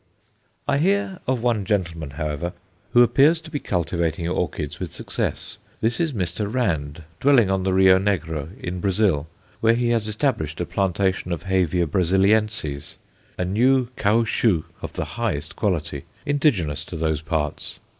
I hear of one gentleman, however, who appears to be cultivating orchids with success. This is Mr. Rand, dwelling on the Rio Negro, in Brazil, where he has established a plantation of Hevia Brazilienses, a new caoutchouc of the highest quality, indigenous to those parts.